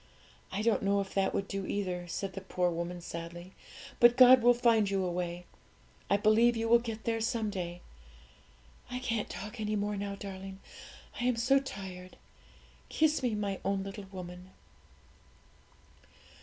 I don't know if that would do either,' said the poor woman sadly; 'but God will find you a way. I believe you will get there someday. I can't talk any more now, darling, I am so tired! Kiss me, my own little woman.'